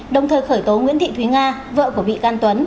đồng thời khởi tố nguyễn thị thúy nga vợ của bị can tuấn